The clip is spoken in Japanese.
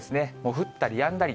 降ったりやんだり。